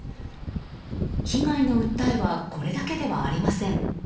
被害の訴えはこれだけではありません。